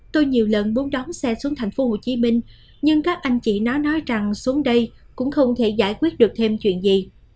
tôi nhiều lần muốn đón xe xuống tp hcm nhưng các anh chị nó nói rằng xuống đây cũng không thể giải quyết được thêm chuyện gì